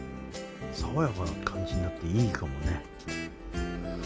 爽やかな感じになっていいかもね。